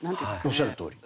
おっしゃるとおり。